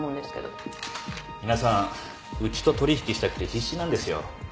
皆さんうちと取引したくて必死なんですよ。